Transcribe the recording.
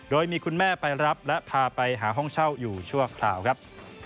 โดยมีคุณแม่ไปรับและพาไปหาห้องเช่าอยู่ชั่วคราวครับ